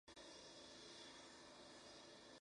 Su principal acción es la vasodilatación.